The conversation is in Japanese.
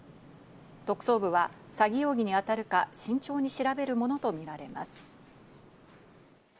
特捜部は詐欺容疑に当たるか慎重に調べるものと見られます。